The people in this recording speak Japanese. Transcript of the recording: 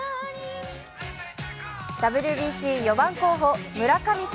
ＷＢＣ４番候補、村神様